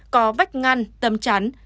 có vách ngăn tấm chắn